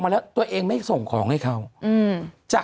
เพราะว่าเมื่อวานี้เออแม่จริงจริงบอกว่าอย่างไรรู้ไหม